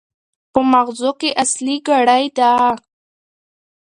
په ماغزو کې اصلي ګړۍ ده.